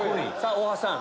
大橋さん